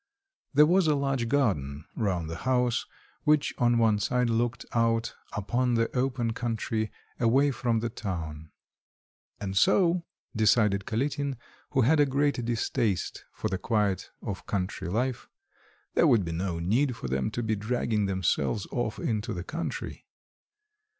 There was a large garden round the house, which on one side looked out upon the open country away from the town. "And so," decided Kalitin, who had a great distaste for the quiet of country life, "there would be no need for them to be dragging themselves off into the country."